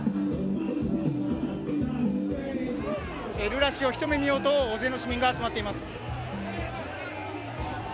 ルーラ氏を、ひと目見ようと大勢の市民が集まっています。